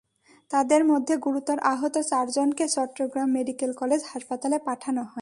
তাদের মধ্যে গুরুতর আহত চারজনকে চট্টগ্রাম মেডিকেল কলেজ হাসপাতালে পাঠানো হয়।